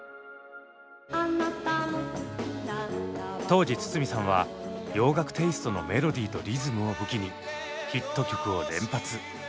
当時筒美さんは洋楽テーストのメロディーとリズムを武器にヒット曲を連発。